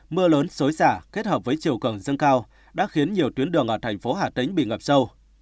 mưa lớn xối xả kết hợp với chiều cường dâng cao đã khiến nhiều tuyến đường ở thành phố hà tĩnh bị ngập sâu